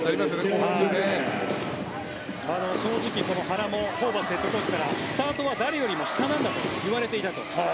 正直、原もホーバスヘッドコーチからスタートは誰よりも下なんだと言われていたと。